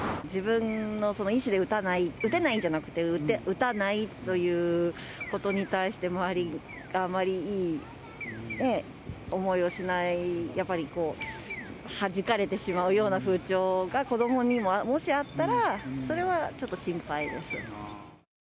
自分の意思で打たない、打てないじゃなくて、打たないということに対して、周りはあまりいい思いをしない、はじかれてしまうような風潮が子どもにももしあったら、それはちょっと心配です。